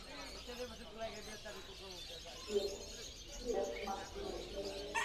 na wakati tamko hilo likitolewa wananchi wa jijinj juba na kwingineko wameanza shamrashamra